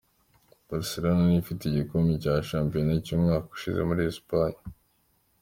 Barcelona ni yo ifite igikombe cya shampiyona cy'umwaka ushize muri Espanye.